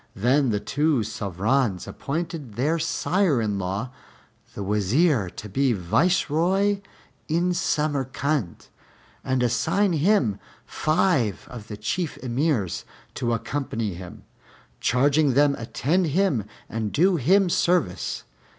Then the two Sovrans appointed their sire in law the Wazir to be Viceroy in Samarcand, and assigned him five of the Chief Emirs to accompany him, charging them attend him and do him service.